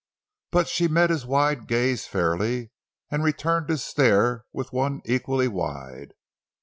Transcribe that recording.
But she met his wide gaze fairly, and returned his stare with one equally wide.